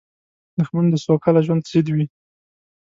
دښمن د سوکاله ژوند ضد وي